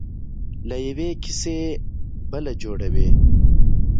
له یوې کیسې بله جوړوي.